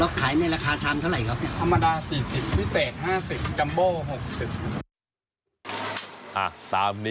แล้วก็หมูก็จะมีหมูสับตับไส้ชุดชิ้นหมูเด้งขวาเส้น